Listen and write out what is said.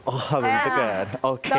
oh ditekan oke